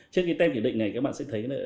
trước cái tem kiểm định này các bạn sẽ thấy là